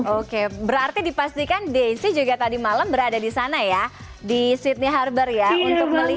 oke berarti dipastikan daisy juga tadi malam berada di sana ya di sydney harbour ya untuk melihat